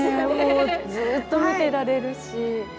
もうずっと見てられるし。